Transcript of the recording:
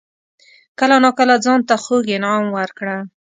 کله ناکله ځان ته خوږ انعام ورکړه.